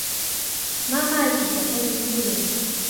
Mamayki riqichimay.